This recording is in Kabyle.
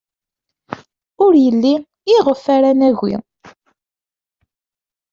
Ur yelli iɣef ara nagi.